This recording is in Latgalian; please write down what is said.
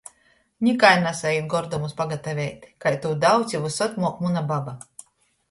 Nikai nasaīt gordumus pagataveit... kai tū daudz i vysod muok muna baba...